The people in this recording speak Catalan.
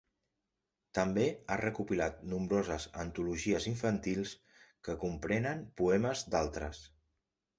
També ha recopilat nombroses antologies infantils que comprenen poemes d'altres.